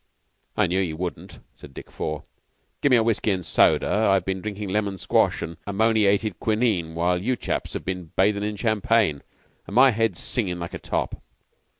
"I knew you wouldn't," said Dick Four. "Give me a whiskey and soda. I've been drinking lemon squash and ammoniated quinine while you chaps were bathin' in champagne, and my head's singin' like a top."